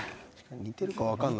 似てるかわかんない。